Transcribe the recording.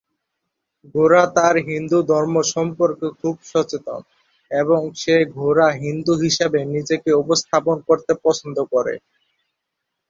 গোরা তার হিন্দুধর্ম সম্পর্কে খুব সচেতন এবং সে গোঁড়া হিন্দু হিসাবে নিজেকে উপস্থাপন করতে পছন্দ করে।